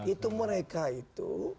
itu mereka itu